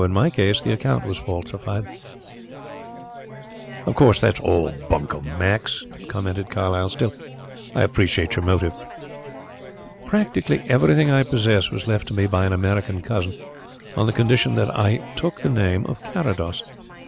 In my case the account was falsified." "Of course that's all bunkum, Max" commented Carlyle. "Still, I appreciate your motive." "Practically everything I possess was left to me by an American cousin, on the condition that I took the name of Carrados.